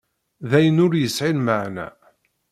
D ayen ur yesɛi lmeɛna.